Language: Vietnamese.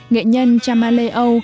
nghệ nhân chamaleo